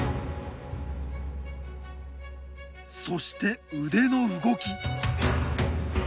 そして腕の動き。